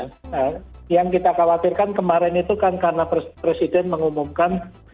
nah yang kita khawatirkan kemarin itu kan karena presiden mengumumkan